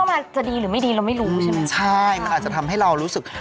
วะดวัดเข็มโบมือนั่วอะไรอย่างเงี้ยเกิดวันไหนคะลูก